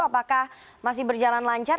apakah masih berjalan lancar